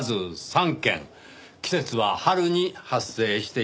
季節は春に発生しています。